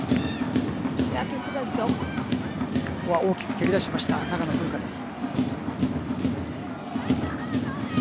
大きく蹴り出しました長野風花です。